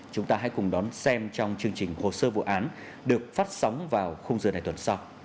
chúng ta hãy cùng đón xem trong chương trình hồ sơ vụ án được phát sóng vào khung giờ này tuần sau